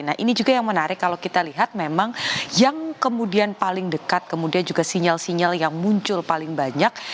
nah ini juga yang menarik kalau kita lihat memang yang kemudian paling dekat kemudian juga sinyal sinyal yang muncul paling banyak